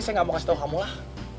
saya gak mau kasih tahu kamu lah